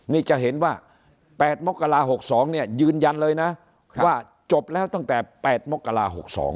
นี่จะเห็นว่า๘มกรา๖๒เนี่ยยืนยันเลยนะว่าจบแล้วตั้งแต่๘มกรา๖๒